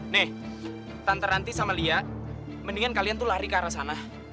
nih tante nanti sama lia mendingan kalian tuh lari ke arah sana